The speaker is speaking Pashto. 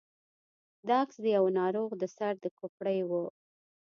دا عکس د يوه ناروغ د سر د کوپړۍ و.